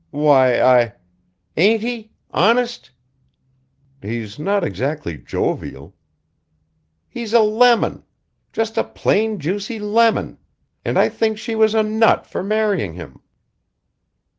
"Why, I " "Ain't he? Honest?" "He's not exactly jovial." "He's a lemon! Just a plain juicy lemon. And I think she was a nut for marrying him."